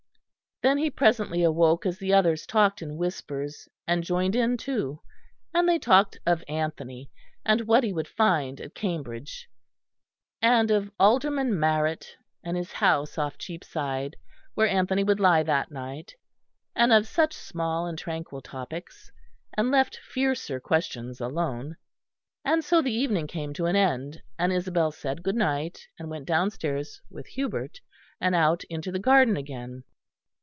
Then he presently awoke as the others talked in whispers, and joined in too: and they talked of Anthony, and what he would find at Cambridge; and of Alderman Marrett, and his house off Cheapside, where Anthony would lie that night; and of such small and tranquil topics, and left fiercer questions alone. And so the evening came to an end; and Isabel said good night, and went downstairs with Hubert, and out into the garden again.